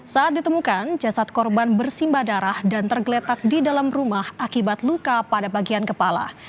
saat ditemukan jasad korban bersimba darah dan tergeletak di dalam rumah akibat luka pada bagian kepala